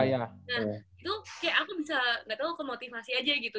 nah itu kayak aku bisa nggak tau kemotivasi aja gitu